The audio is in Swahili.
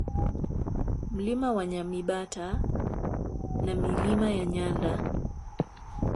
Mlima wa Nyamibata na Milima ya Nyanda